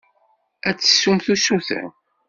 Ad d-tessumt usuten.